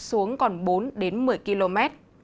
xuống còn bốn một mươi km